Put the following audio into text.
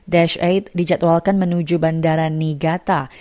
dash delapan dijadwalkan menuju bandara niigata